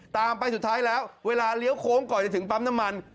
ตามไปสุดท้ายแล้วเวลาเลี้ยวโค้งก่อนจะถึงปั๊มน้ำมัน